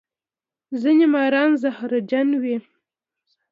ځینې ماران زهرجن وي